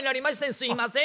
すいません。